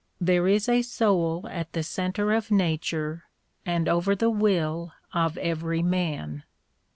There is a soul at the centre of nature, and over the will of every man.